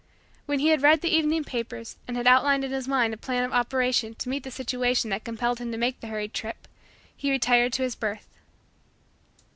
When he had read the evening papers and had outlined in his mind a plan of operation to meet the situation that compelled him to make the hurried trip, he retired to his berth.